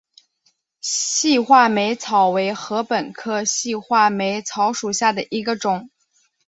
细画眉草为禾本科细画眉草属下的一个种。